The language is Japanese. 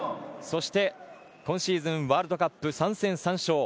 そして、今シーズンワールドカップ３戦３勝。